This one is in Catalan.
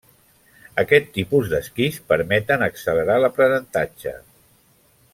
Aquest tipus d'esquís permeten accelerar l'aprenentatge.